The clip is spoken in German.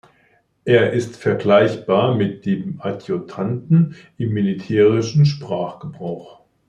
Er ist vergleichbar mit dem Adjutanten im militärischen Sprachgebrauch.